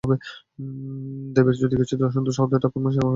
দেবীর যদি কিছুতে অসন্তোষ হইত ঠাকুর মহাশয়ই আগে জানিতে পাইতেন।